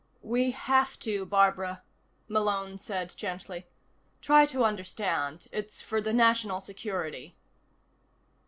"We have to, Barbara," Malone said gently. "Try to understand. It's for the national security."